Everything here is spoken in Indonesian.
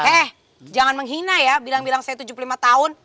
eh jangan menghina ya bilang bilang saya tujuh puluh lima tahun